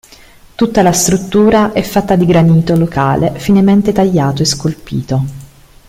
Tutta la struttura è fatta di granito locale finemente tagliato e scolpito.